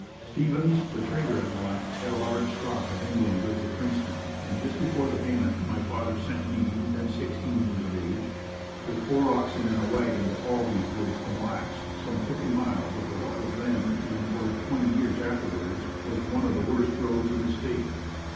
Stevens, the trader at Mille Lacs had a large stock of Indian goods at Princeton and just before the payment my father sent me, then sixteen years of age, with four oxen and a wagon to haul these goods to Mille Lacs some fifty miles over what was then and for twenty years afterwards, was one of the worst roads in the state.